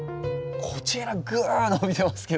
こちらグーッ伸びてますけど。